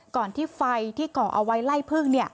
ก่อนที่ไฟที่เกาะเอาไว้ไล่พึ่ง